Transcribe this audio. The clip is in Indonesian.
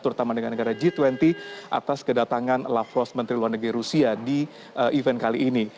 terutama dengan negara g dua puluh atas kedatangan lavros menteri luar negeri rusia di event kali ini